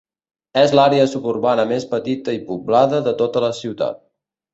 És l'àrea suburbana més petita i poblada de tota la ciutat.